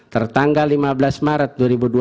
tertanggal lima belas maret dua ribu dua puluh